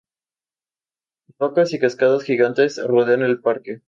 Rocas y cascadas gigantes rodean el parque.